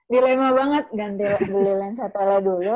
dilema banget ganti lensa tele dulu